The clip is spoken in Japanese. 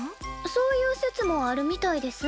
そういう説もあるみたいです。